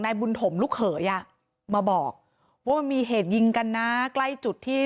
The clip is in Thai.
บุญถมลูกเขยอ่ะมาบอกว่ามันมีเหตุยิงกันนะใกล้จุดที่